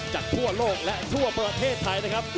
จากทั่วโลกและทั่วประเทศไทยนะครับ